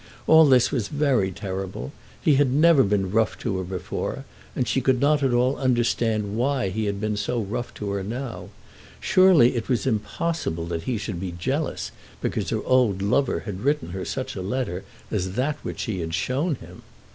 All this was very terrible. He had never been rough to her before, and she could not at all understand why he had been so rough to her now. Surely it was impossible that he should be jealous because her old lover had written to her such a letter as that which she had shown him!